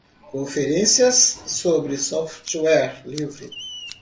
Conferências sobre software livre.